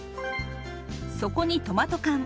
そこにトマト缶。